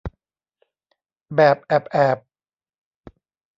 แบบแอบแอบ